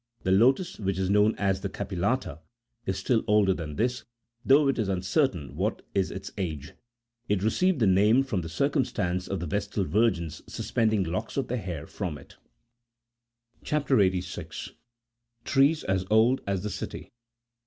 The lotus tree, which is known as the Capillata, is still older than this, though it is uncertain what is its age; it received that name from the circumstance of the Vestal Virgins suspending locks of their hair59 from it. CHAP. 86. TREES AS OLD AS THE CITY.